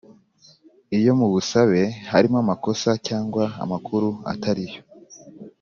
Iyo mu busabe harimo amakosa cyangwa amakuru atariyo